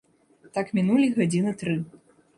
Так мінулі гадзіны тры.